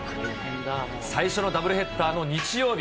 最初のダブルヘッダーの日曜日。